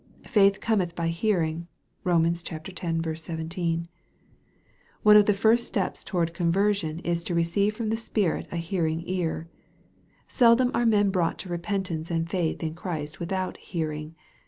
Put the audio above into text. " Faith cometh by hearing." (Rom. x. 17.) One of the first steps towards conversion is to receive from the Spirit a hearing ear, Seldom are men brought to repentance and faith in Christ without " hearing."